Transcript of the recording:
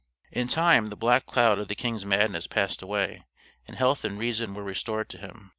"] In time, the black cloud of the king's madness passed away and health and reason were restored to him.